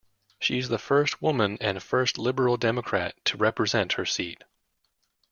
She is the first woman and first Liberal Democrat to represent her seat.